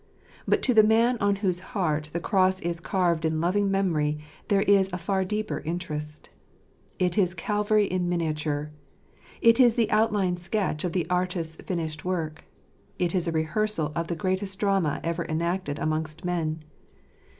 But to the man on whose heart the cross is carved in loving memory there is a far deeper interest. It is Calvary in miniature. It is the outline sketch of the Artist's finished work. It is a rehearsal of the greatest drama ever enacted amongst men.